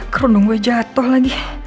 kerudung gue jatuh lagi